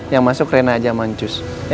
yang masuk rena aja mancus